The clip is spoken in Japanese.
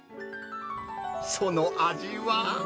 その味は？